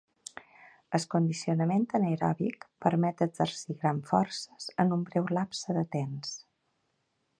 El condicionament anaeròbic permet exercir grans forces en un breu lapse de temps.